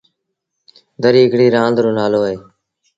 دريٚ هڪڙيٚ رآند رو نآلو اهي۔